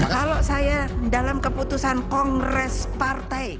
kalau saya dalam keputusan kongres partai